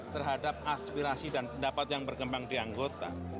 terhadap aspirasi dan pendapat yang berkembang di anggota